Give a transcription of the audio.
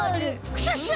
クシャシャ！